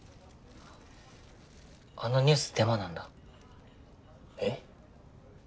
あのニュースデマなんだ。え？